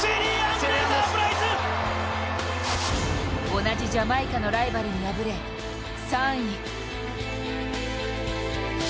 同じジャマイカのライバルに敗れ３位。